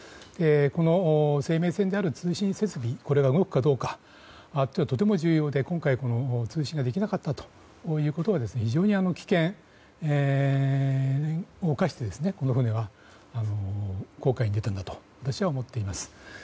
この生命線である通信設備が動くかどうかってとても重要で今回通信ができなかったことは非常に危険を冒してこの船は航海に出たのだと私は思っています。